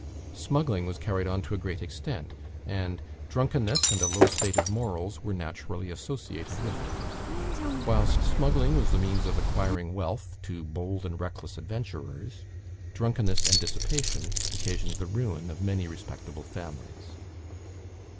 Smuggling was carried on to a great extent; and drunkenness, and a low state of morals, were naturally associated with it. Whilst smuggling was the means of acquiring wealth to bold and reckless adventurers, drunkenness and dissipation occasioned the ruin of many respectable families."